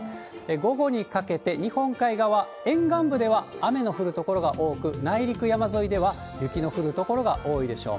午後にかけて、日本海側、沿岸部では雨の降る所が多く、内陸、山沿いでは雪の降る所が多いでしょう。